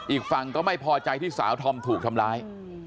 อีกฝั่งก็ไม่พอใจที่สาวธอมถูกทำร้าย